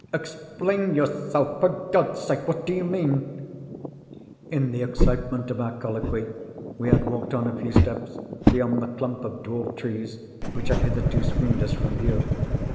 "Explain yourself, for God's sake! What do you mean?" In the excitement of our colloquy, we had walked on a few steps, beyond the clump of dwarf trees which had hitherto screened us from view.